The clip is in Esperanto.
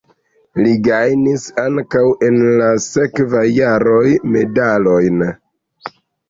Li gajnis ankaŭ en la sekvaj jaroj medalojn.